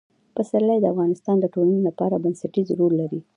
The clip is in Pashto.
پسرلی د افغانستان د ټولنې لپاره بنسټيز رول لري.